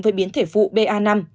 với biến thể phụ ba năm